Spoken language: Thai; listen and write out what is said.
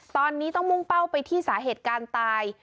ตอนนี้ต้องมุ่งเป้าไปที่สาเหตุการณ์ตาย